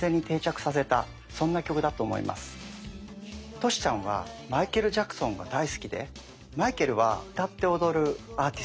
トシちゃんはマイケル・ジャクソンが大好きでマイケルは歌って踊るアーティスト。